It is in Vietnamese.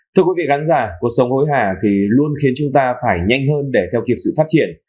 thưa quý vị khán giả cuộc sống hối hả thì luôn khiến chúng ta phải nhanh hơn để theo kịp sự phát triển